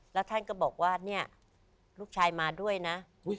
แล้วท่านก็บอกว่าเนี่ยลูกชายมาด้วยนะ